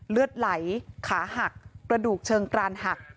เลือดไหลขาหักกระดูกเชิงกรานหัก